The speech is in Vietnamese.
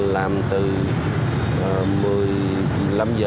làm từ một mươi năm h